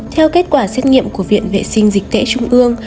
theo kết quả xét nghiệm của viện vệ sinh dịch tễ trung ương